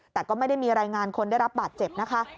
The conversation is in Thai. แต่ก็ไม่ได้มีรายงานคนได้รับบาดเจ็บนะคะ